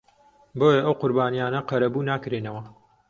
بۆیە ئەو قوربانییانە قەرەبوو ناکرێنەوە